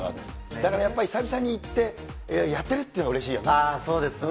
だからやっぱり久々に行って、やってるっていうのがうれしいよそうですね。